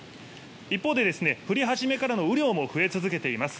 一方で、降り始めからの雨量も増え続けています。